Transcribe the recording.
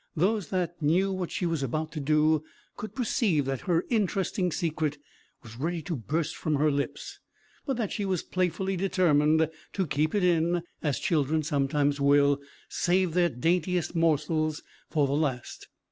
Those that knew what she was about to do, could perceive that her interesting secret was ready to burst from her lips, but that she was playfully determined to keep it in, as children sometimes will save their daintiest morsels for the last.